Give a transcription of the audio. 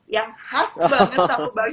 yang khas banget